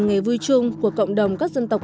ngày vui chung của cộng đồng các dân tộc